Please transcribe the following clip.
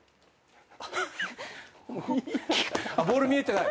ボール見えてない。